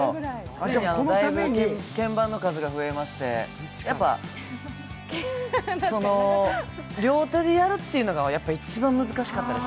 ついに鍵盤の数が増えまして、両手でやるというのが一番難しかったです。